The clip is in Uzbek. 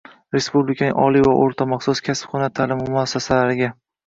respublikaning oliy va o`rta maxsus, kasb-hunar ta’limi muassasalariga